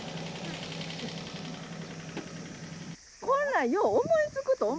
こんなんよう思いつくと思いません？